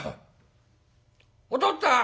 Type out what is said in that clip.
「おとっつぁん！